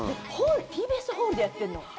ＴＢＳホールでやってるの。